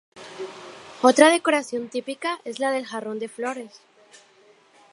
Otra decoración típica es la del "jarrón de flores".